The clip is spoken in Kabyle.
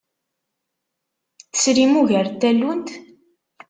Tesrim ugar n tallunt?